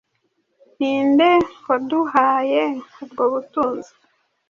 Ninde waduhaye ubwo butunzi-